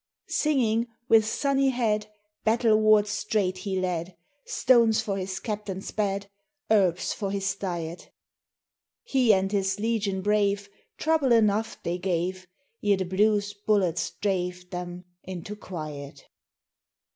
Singing, with sunny head, Battleward straight he led, Stones for his captain's bed, Herbs for his diet: He and his legion brave, Trouble enough they gave! Ere the Blues' bullets drave Them into quiet.